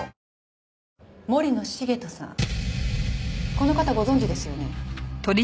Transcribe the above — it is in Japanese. この方ご存じですよね？